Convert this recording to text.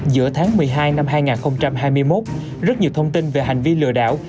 giữa tháng một mươi hai năm hai nghìn hai mươi một rất nhiều thông tin về hành vi lừa đảo